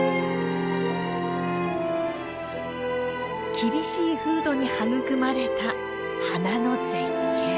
厳しい風土に育まれた花の絶景。